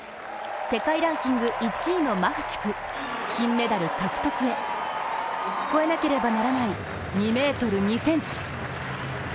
世界ランキング１位のマフチク、金メダル獲得へ越えなければならない２ｍ２ｃｍ。